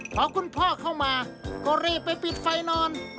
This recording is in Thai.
พอคุณพ่อเข้ามาก็รีบไปปิดไฟนอน